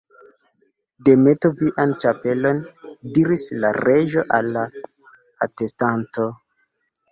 "Demetu vian ĉapelon," diris la Reĝo al la atestanto.